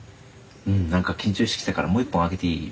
うん何か緊張してきたからもう１本開けていい？